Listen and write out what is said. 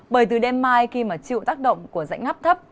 bởi từ đêm mai khi mà chịu tác động của dãy ngắp thấp